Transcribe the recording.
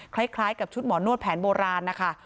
คล้ายกับชุดหมอนวดแผนโบราณนะคะ